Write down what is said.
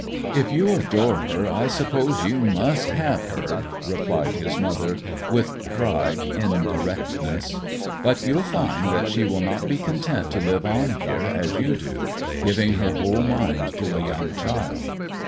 'If you adore her, I suppose you must have her!' replied his mother with dry indirectness. 'But you'll find that she will not be content to live on here as you do, giving her whole mind to a young child.